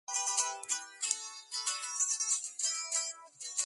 Su representante legal es su presidente, esto es, el Ministro de Educación.